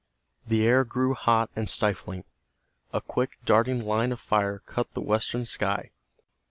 The air grew hot and stifling. A quick, darting line of fire cut the western sky.